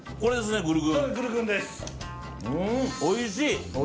おいしい！